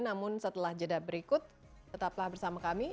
namun setelah jeda berikut tetaplah bersama kami